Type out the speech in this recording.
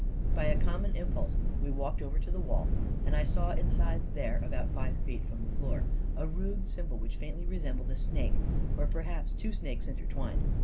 By a common impulse, we walked over to the wall, and I saw incised there, about five feet from the floor, a rude symbol which faintly resembled a snake — or perhaps two snakes intertwined.